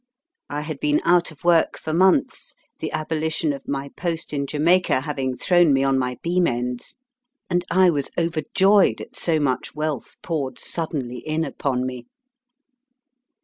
I had been out of work for months, the abolition of my post in Jamaica having thrown me on my beam ends, and I was overjoyed at so much wealth poured suddenly in upon me.